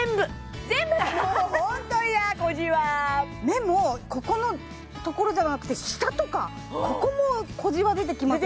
目もここのところじゃなくて下とかここも小じわ出てきませんか？